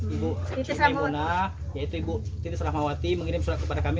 ibu cik maymunah yaitu ibu titi selamawati mengirim surat kepada kami